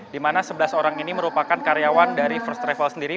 di mana sebelas orang ini merupakan karyawan dari first travel sendiri